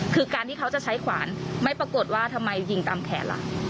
คือการที่เขาจะใช้ขวานไม่ปรากฏว่าทำไมยิงตามแขนล่ะ